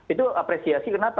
itu apresiasi kenapa